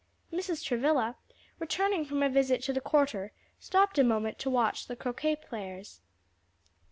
Mrs. Travilla, returning from a visit to the quarter, stopped a moment to watch the croquet players.